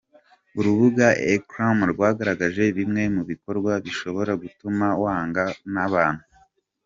Urubuga elcrema rwagaragaje bimwe mu bikorwa bishobora gutuma wangwa n’abantu.